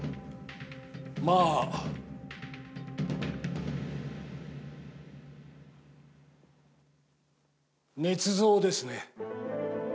まあ、ねつ造ですね。